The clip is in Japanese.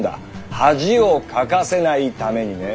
恥をかかせないためにね。